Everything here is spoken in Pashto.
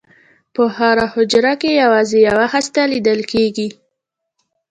په هره حجره کې یوازې یوه هسته لیدل کېږي.